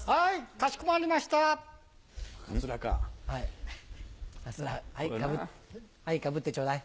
かつらはいかぶってちょうだい。